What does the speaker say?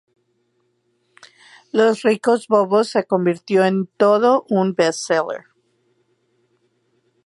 Los ricos bobos se convirtió en todo un best seller.